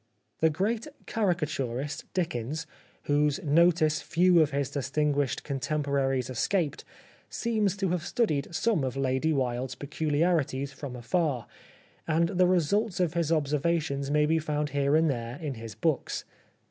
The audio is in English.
The great caricaturist Dickens, whose notice few of his distinguished contemporaries escaped, seems to have studied some of Lady Wilde's peculiarities from afar, and the results of his observations may be found here and there in his books.